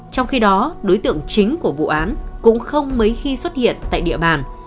trong khi đó đối tượng chính của vụ án cũng không mấy khi xuất hiện tại địa bàn